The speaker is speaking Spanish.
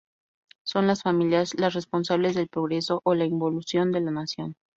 Son las familias las responsables del progreso o la involución de la nación.